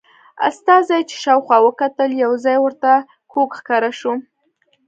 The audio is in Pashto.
استازي چې شاوخوا وکتل یو ځای ورته کوږ ښکاره شو.